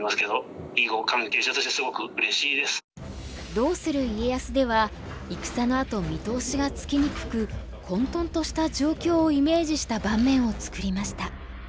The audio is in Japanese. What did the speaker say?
「どうする家康」では戦のあと見通しがつきにくく混とんとした状況をイメージした盤面を作りました。